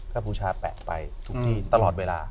ก็บูชาแปะไปทุกที่ตลอดเวลา